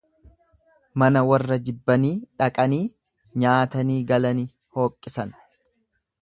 Mana warra jibbanii dhaqanii nyaatanii galani hooqqisan.